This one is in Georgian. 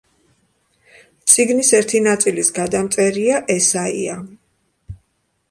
წიგნის ერთი ნაწილის გადამწერია ესაია.